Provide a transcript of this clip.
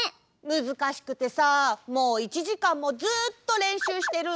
むずかしくてさもう１じかんもずっとれんしゅうしてるんだ！